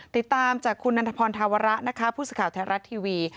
ติดตามจากคุณนันทพรธาวระนะคะผู้สื่อข่าวไทยรัฐทีวี